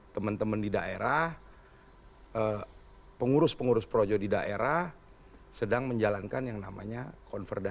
teman teman di daerah pengurus pengurus projo di daerah sedang menjalankan yang namanya konverda